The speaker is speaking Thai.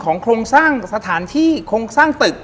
โครงสร้างสถานที่โครงสร้างตึก